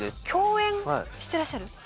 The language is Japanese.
共演してらっしゃる？